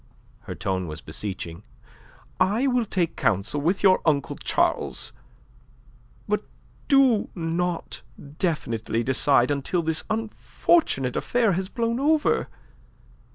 Her tone was beseeching. "I will take counsel with your uncle Charles. But do not definitely decide until this unfortunate affair has blown over.